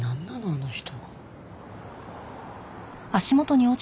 あの人。